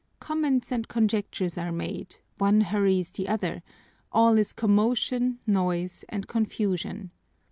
Comments and conjectures are made, one hurries the other, all is commotion, noise, and confusion.